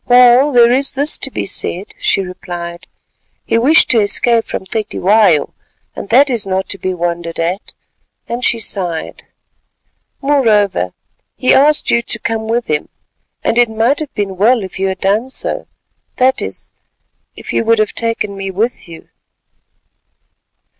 "Well, there is this to be said," she replied, "he wished to escape from Cetywayo, and that is not to be wondered at," and she sighed. "Moreover he asked you to come with him, and it might have been well if you had done so, that is, if you would have taken me with you!"